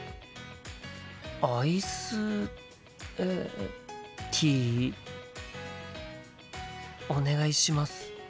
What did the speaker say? アイスえティーお願いします。